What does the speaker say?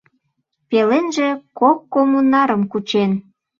Пеленже кок коммунарым кучен.